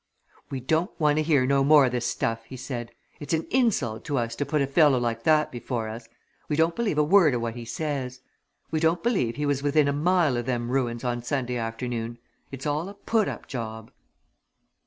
"We don't want to hear no more o' this stuff!" he said. "It's an insult to us to put a fellow like that before us. We don't believe a word o' what he says. We don't believe he was within a mile o' them ruins on Sunday afternoon. It's all a put up job!"